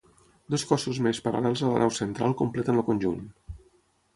Dos cossos més paral·lels a la nau central completen el conjunt.